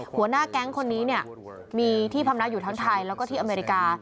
หัวหน้าแก๊งคนนี้เนี่ยมีที่พำนักอยู่ทั้งไทยแล้วก็ที่อเมริกา